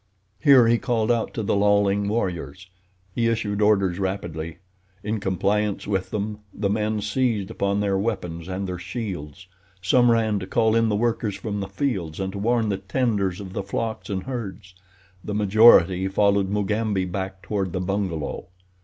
Here he called out to the lolling warriors. He issued orders rapidly. In compliance with them the men seized upon their weapons and their shields. Some ran to call in the workers from the fields and to warn the tenders of the flocks and herds. The majority followed Mugambi back toward the bungalow.